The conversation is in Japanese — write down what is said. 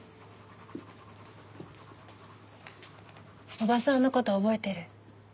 おばさんの事覚えてる？